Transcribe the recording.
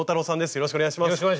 よろしくお願いします。